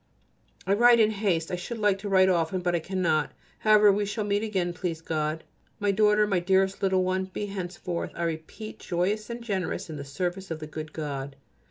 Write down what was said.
I write in haste. I should like to write often, but I cannot. However, we shall meet again, please God. My daughter, my dearest little one, be henceforth, I repeat, joyous and generous in the service of the good God.